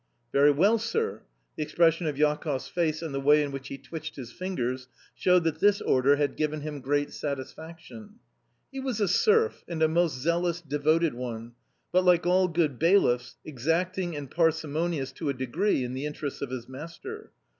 "Very well, sir." The expression of Jakoff's face and the way in which he twitched his fingers showed that this order had given him great satisfaction. He was a serf, and a most zealous, devoted one, but, like all good bailiffs, exacting and parsimonious to a degree in the interests of his master.